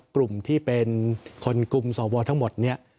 กลุ่มที่เป็นคนกลุ่มสวทั้งหมดเนี่ย